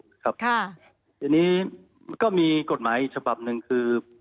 ทีนี้ก็มีกฎหมายอีกฉบับหนึ่งคือ